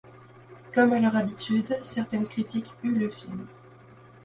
Comme à leur habitude, certains critiques huent le film.